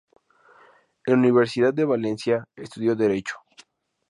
En la Universidad de Valencia estudió derecho.